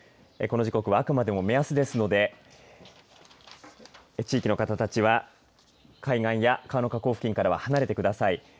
この時刻はあくまでも目安ですので地域の方たちは海岸や川の河口付近からは離れてください。